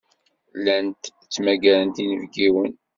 Llant ttmagarent inebgiwen.